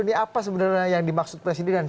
ini apa sebenarnya yang dimaksud presiden